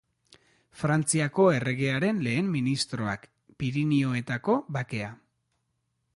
Frantziako erregearen lehen ministroak, Pirinioetako Bakea.